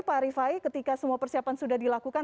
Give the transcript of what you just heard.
pak rifai ketika semua persiapan sudah dilakukan